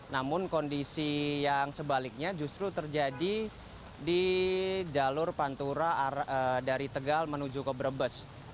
namun kondisi yang sebaliknya justru terjadi di jalur pantura dari tegal menuju ke brebes